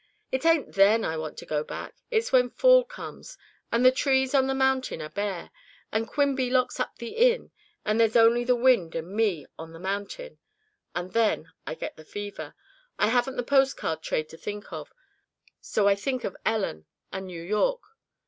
It ain't then I want to go back. It's when fall comes, and the trees on the mountain are bare, and Quimby locks up the inn, and there's only the wind and me on the mountain then I get the fever. I haven't the post card trade to think of so I think of Ellen, and New York.